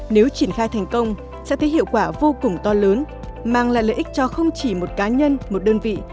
nếu triển khai thành công sẽ thấy hiệu quả vô cùng to lớn mang lại lợi ích cho không chỉ một cá nhân một đơn vị